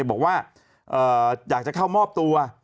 บอกว่าอยากจะเข้ามอบตัว